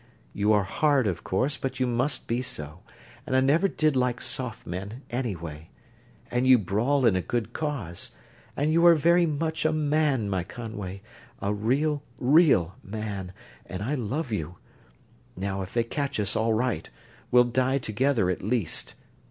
You are hard, of course, but you must be so and I never did like soft men, anyway. And you brawl in a good cause. You are very much a man, my Conway; a real, real man, and I love you! Now, if they catch us, all right we'll die together, at least!"